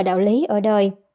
đạo lý ở đời